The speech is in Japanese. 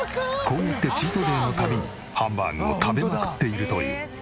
こうやってチートデイの度にハンバーグを食べまくっているという。